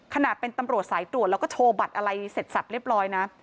ขนาดเป็นตำรวจสายตรวจแล้วก็โชว์บัตรอะไรเสร็จสับเรียบร้อยนะ